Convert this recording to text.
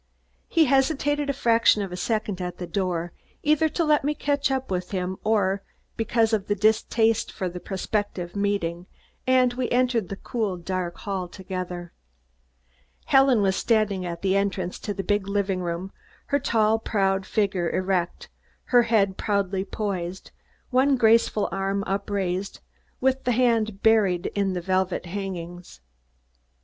He hesitated a fraction of a second at the door, either to let me catch up with him or because of distaste for the prospective meeting, and we entered the cool dark hall together. Helen was standing at the entrance to the big living room, her tall figure erect, her head proudly poised, one graceful arm upraised, with the hand buried in the velvet hangings.